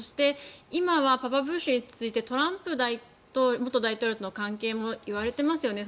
今はパパブッシュに続いてトランプ元大統領との関係も言われていますよね。